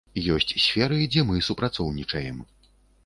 Ёсць сферы, дзе мы супрацоўнічаем.